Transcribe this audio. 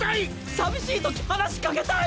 寂しいとき話しかけたい！